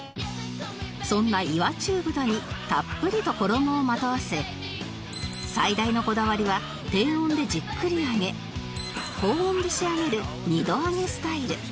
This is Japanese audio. そんな岩中豚にたっぷりと衣をまとわせ最大のこだわりは低温でじっくり揚げ高温で仕上げる２度揚げスタイル